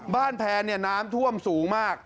บ้านแผนน้ำท่วมสูงมาก